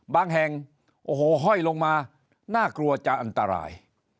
แห่งโอ้โหห้อยลงมาน่ากลัวจะอันตราย